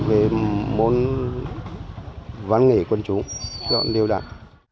về môn văn nghệ quân chủ gọi là điều đặc